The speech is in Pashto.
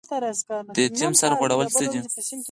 د یتیم سر غوړول څه دي؟